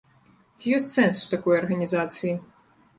Ці ёсць сэнс ў такой арганізацыі?